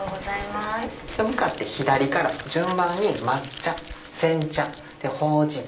向かって左から順番に抹茶煎茶ほうじ茶